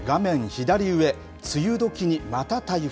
左上、梅雨時にまた台風。